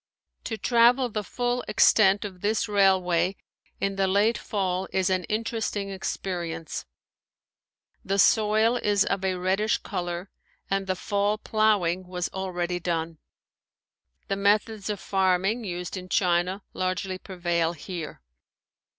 To travel the full extent of this railway in the late fall is an interesting experience. The soil is of a reddish color and the fall plowing was already done. The methods of farming used in China largely prevail here.